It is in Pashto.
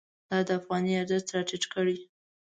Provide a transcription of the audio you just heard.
دا د افغانۍ ارزښت راټیټ کړی.